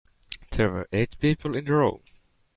There were eight people in a row.